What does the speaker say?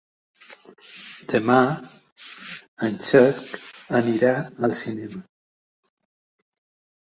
Demà en Cesc anirà al cinema.